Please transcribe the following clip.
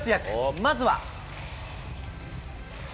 まずは。